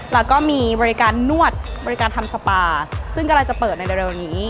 แล้วก็มีบริการนวดบริการทำสปาซึ่งกำลังจะเปิดในเร็วนี้